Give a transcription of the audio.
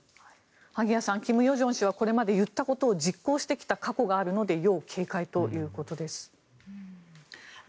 萩谷さん、金与正氏はこれまで言ってきたことを実行してきた過去があるので要警戒ということです。